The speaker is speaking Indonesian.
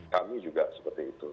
kami juga seperti itu